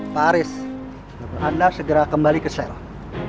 pak haris berhubungan anda segera kembali ke seram